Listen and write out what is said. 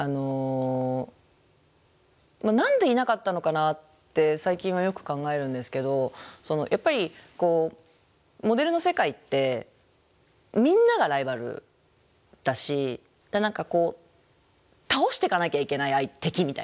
何でいなかったのかなって最近はよく考えるんですけどやっぱりこうモデルの世界ってみんながライバルだし何かこう倒していかなきゃいけない敵みたいな。